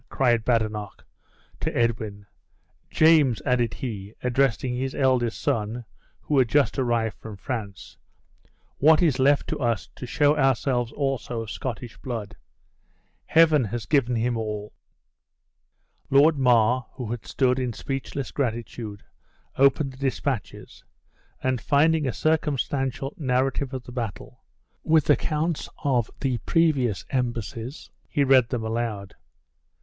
cried Badenoch to Edwin. "James," added he, addressing his eldest son, who had just arrived from France, "what is left to us to show ourselves also of Scottish blood? Heaven has given him all!" Lord Mar, who had stood in speechless gratitude, opened the dispatches; and finding a circumstantial narrative of the battle, with accounts of the previous embassies, he read them aloud.